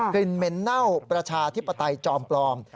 เหม็นเน่าประชาธิปไตยจอมปลอม